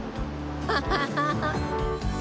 アハハハッ。